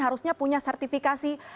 harusnya punya sertifikasi